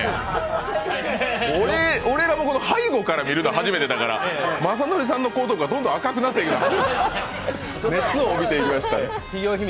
俺、背後から見るのは初めてだから、雅紀さんの後頭部がどんどん赤くなっていくの初めて見た。